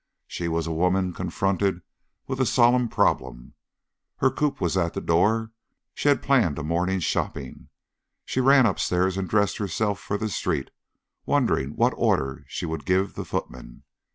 She was a woman confronted with a solemn problem. Her coupe was at the door; she had planned a morning's shopping. She ran upstairs and dressed herself for the street, wondering what order she would give the footman.